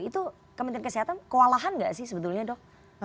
itu kementerian kesehatan kewalahan nggak sih sebetulnya dok